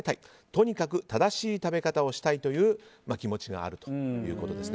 とにかく正しい食べ方をしたいという気持ちがあるということです。